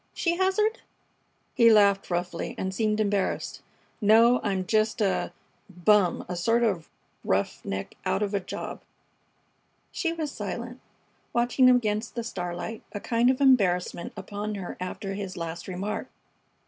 she hazarded. He laughed roughly and seemed embarrassed. "No, I'm just a bum! A sort of roughneck out of a job." She was silent, watching him against the starlight, a kind of embarrassment upon her after his last remark.